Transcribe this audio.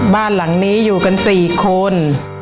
บ้านหลังนี้อยู่กัน๔คน